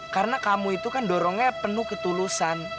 karena kamu itu kan dorongnya penuh ketulusan